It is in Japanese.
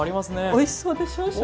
おいしそうでしょ？